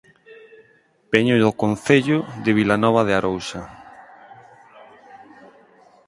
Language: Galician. Veño do Concello de Vilanova de Arousa